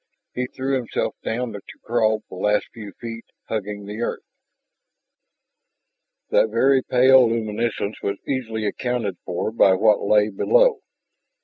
He threw himself down to crawl the last few feet, hugging the earth. That very pale luminescence was easily accounted for by what lay below.